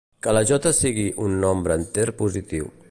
Que la "j" sigui un nombre enter positiu.